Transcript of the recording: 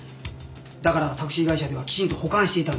だからタクシー会社ではきちんと保管していたんです。